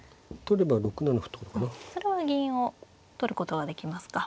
それは銀を取ることができますか。